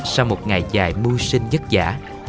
sau một ngày dài mưu sinh nhất giả